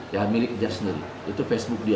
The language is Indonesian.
ya milik dia sendiri itu facebook dia